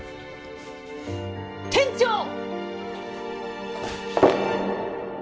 店長！